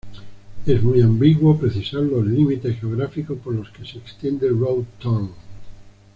Es muy ambiguo precisar los límites geográficos por los que se extiende Road Town.